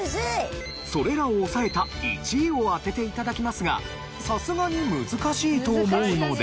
それらを抑えた１位を当てて頂きますがさすがに難しいと思うので。